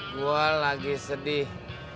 gue lagi sedih